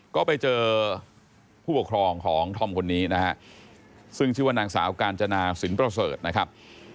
ก็ไปเจอผู้ปกครองของธอมคนนี้นะฮะซึ่งชื่อว่านางสาวกาญจนาสินประเสริฐนะครับ